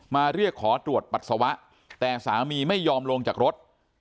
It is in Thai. มาเรียกขอตรวจปัสสาวะแต่สามีไม่ยอมลงจากรถ